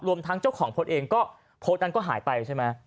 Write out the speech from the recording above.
รวมทั้งเจ้าของโพสต์เองก็โพสต์นั้นก็หายไปใช่ไหม